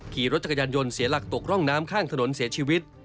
ขี่รถจักรยานยนต์เสียหลักตกร่องน้ำข้างถนนเสียชีวิต